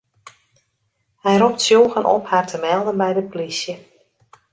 Hy ropt tsjûgen op har te melden by de plysje.